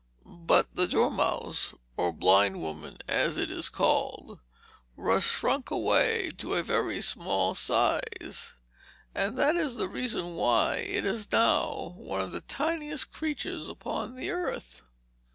But the dormouse or blind woman as it is called was shrunk away to a very small size; and that is the reason why it is now one of the tiniest creatures upon the earth.